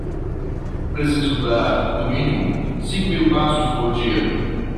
Preciso dar, no mínimo, cinco mil passos por dia.